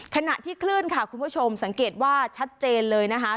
ขณะที่คลื่นค่ะคุณผู้ชมสังเกตว่าชัดเจนเลยนะคะ